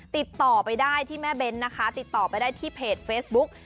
ติดต่อไปได้ที่แม่เบ้นนะคะติดต่อไปได้ที่เพจเฟซบุ๊ก